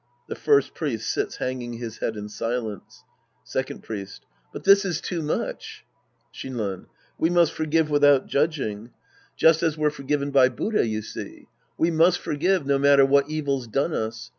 {The First Priest sits hanging his head in silence^ Second Priest. But this is too much. Shinran. We must forgive without judging. Just 202 The Priest and His Disciples Act V as we're forgiven by Buddha, you see. We must forgive, no matter what evil's flone us.